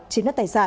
trên đất tài sản